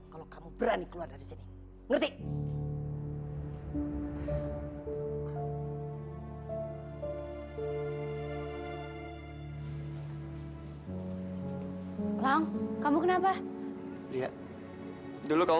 kalau kamu berani keluar dari sini